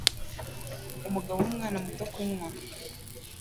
Umugabo uha umwana muto kunywa